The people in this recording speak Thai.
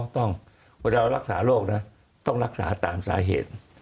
เวลาเรารักษาโรคนะต้องรักษาตามสาเหตุ